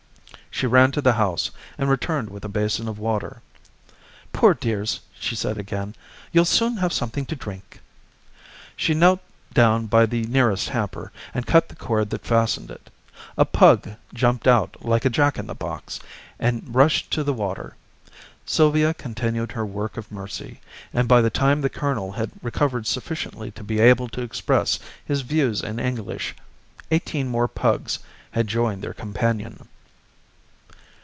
She ran to the house, and returned with a basin of water. "Poor dears!" she said again. "You'll soon have something to drink." She knelt down by the nearest hamper, and cut the cord that fastened it. A pug jumped out like a jack in the box, and rushed to the water. Sylvia continued her work of mercy, and by the time the colonel had recovered sufficiently to be able to express his views in English, eighteen more pugs had joined their companion.